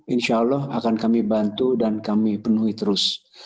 insya allah akan kami bantu dan kami penuhi terus